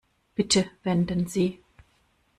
Bitte wenden Sie.